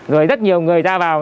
rồi rất nhiều người ra vào